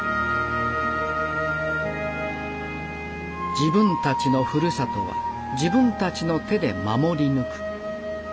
自分たちのふるさとは自分たちの手で守り抜く。